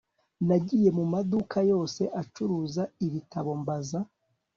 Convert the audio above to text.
nagiye mu maduka yose acuruza ibitabo mbaza